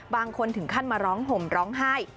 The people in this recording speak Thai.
บางคนถึงขั้นมาร้องห่มร้องไห้